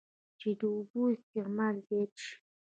چې د اوبو استعمال زيات شي